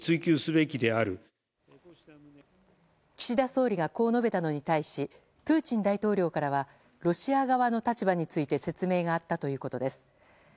岸田総理がこう述べたのに対しプーチン大統領からはロシア側の立場について説明があったということです。